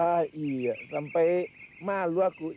ah iya sampai malu aku